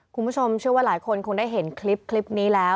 คุณผู้ชมเชื่อว่าหลายคนคงได้เห็นคลิปนี้แล้ว